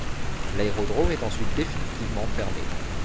L'aérodrome est ensuite définitivement fermé.